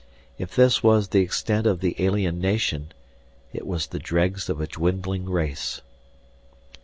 If this was the extent of the alien nation, it was the dregs of a dwindling race.